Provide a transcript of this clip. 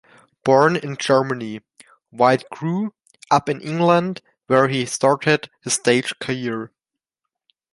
Born in Germany, White grew up in England where he started his stage career.